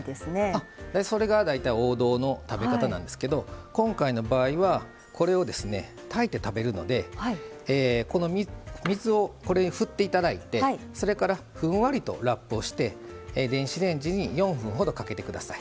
それが大体王道の食べ方なんですけど今回の場合はこれをですね炊いて食べるのでこの水をこれに振っていただいてそれからふんわりとラップをして電子レンジに４分ほどかけてください。